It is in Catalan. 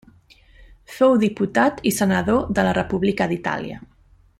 Fou diputat i senador de la República d'Itàlia.